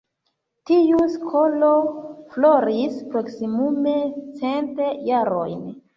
Tiu skolo floris proksimume cent jarojn.